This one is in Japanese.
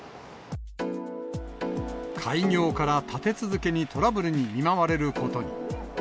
開業から立て続けにトラブルに見舞われることに。